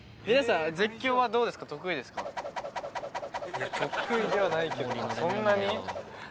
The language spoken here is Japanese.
いや得意ではないけどもそんなに？